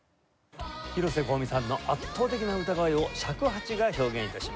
広瀬香美さんの圧倒的な歌声を尺八が表現致します。